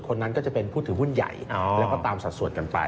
คนนั้นก็จะเป็นผู้ถือหุ้นใหญ่แล้วก็ตามสัดส่วนกันไป